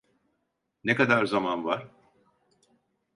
Ne kadar zaman var?